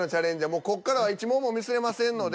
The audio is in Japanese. もうこっからは１問もミスれませんので。